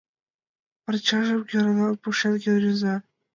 Парчажым геройлан пушеҥге рӱза.